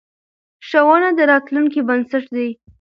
ښوونه د راتلونکې بنسټ دی.